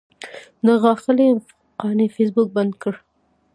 د ښاغلي قانع فیسبوک بند کړی.